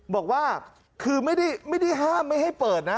บอกว่าคือไม่ได้ห้ามไม่ให้เปิดนะ